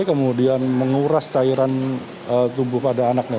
kemudian menguras cairan tubuh pada anaknya